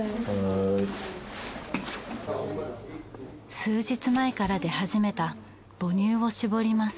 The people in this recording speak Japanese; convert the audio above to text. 数日前から出始めた母乳を搾ります。